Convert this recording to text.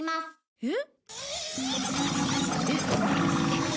えっ！？